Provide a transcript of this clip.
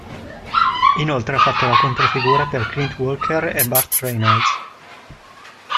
Inoltre ha fatto la controfigura per Clint Walker e Burt Reynolds.